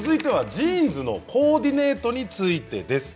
ジーンズのコーディネートについてです。